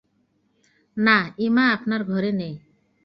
না, ইমা আপনার ঘরে নেই।